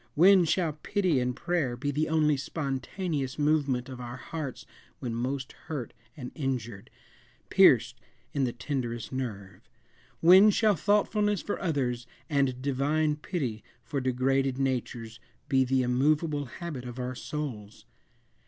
When shall pity and prayer be the only spontaneous movement of our hearts when most hurt and injured pierced in the tenderest nerve? When shall thoughtfulness for others, and divine pity for degraded natures, be the immovable habit of our souls?